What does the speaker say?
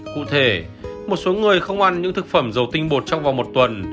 cụ thể một số người không ăn những thực phẩm dầu tinh bột trong vòng một tuần